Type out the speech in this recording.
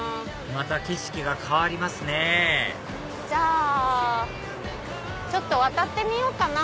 また景色が変わりますねじゃあちょっと渡ってみようかな。